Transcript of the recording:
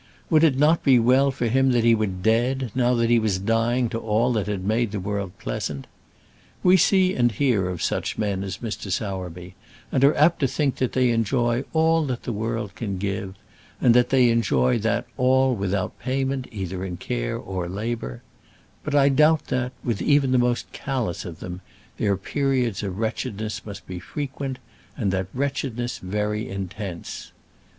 Would it not be well for him that he were dead, now that he was dying to all that had made the world pleasant! We see and hear of such men as Mr. Sowerby, and are apt to think that they enjoy all that the world can give, and that they enjoy that all without payment either in care or labour; but I doubt that, with even the most callous of them, their periods of wretchedness must be frequent, and that wretchedness very intense.